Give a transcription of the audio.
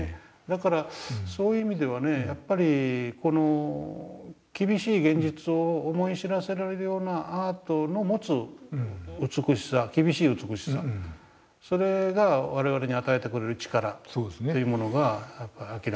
だからそういう意味ではねやっぱりこの厳しい現実を思い知らされるようなアートの持つ美しさ厳しい美しさそれが我々に与えてくれる力というものが明らかにあると。